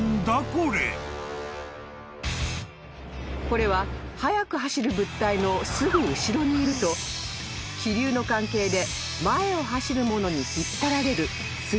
［これは速く走る物体のすぐ後ろにいると気流の関係で前を走るものに引っ張られる］